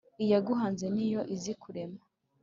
Iyaguhanze niyo izi kurema,